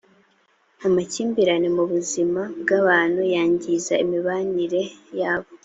amakimbirane mu buzima bw ‘abantu yangiza imibanire yabo.